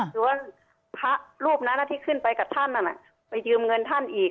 คือว่าพระรูปนั้นที่ขึ้นไปกับท่านไปยืมเงินท่านอีก